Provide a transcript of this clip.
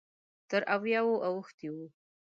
تر اویاوو اوښتی و.